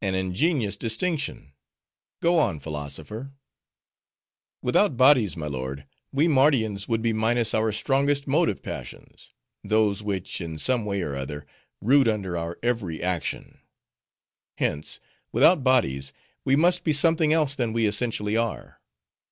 "An ingenious distinction; go on, philosopher." "Without bodies, my lord, we Mardians would be minus our strongest motive passions, those which, in some way or other, root under our every action. Hence, without bodies, we must be something else than we essentially are.